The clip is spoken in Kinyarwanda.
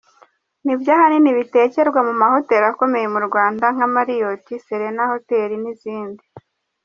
Nibyo ahanini bitekerwa mu mahoteli akomeye mu Rwanda nka Marriot, Serena Hotel n’izindi.